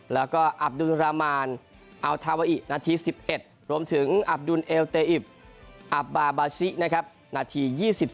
แล้วก็อับดุลรามานอัลทาวาอินาที๑๑รวมถึงอับดุลเอลเตอิบอับบาบาซินะครับนาที๒๒